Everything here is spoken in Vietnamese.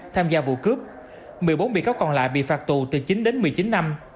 tham gia vụ cướp một mươi bốn bị cáo còn lại bị phạt tù từ chín đến một mươi chín năm